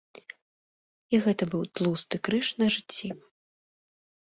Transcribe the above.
І гэта быў тлусты крыж на жыцці.